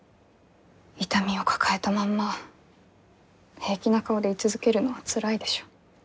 痛みを抱えたまんま平気な顔で居続けるのはつらいでしょ。